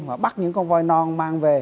và bắt những con voi non mang về